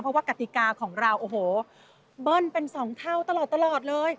เพราะว่ากติกาของเราโอ้โหเบิ้ลเป็น๒เท่าตลอดเลย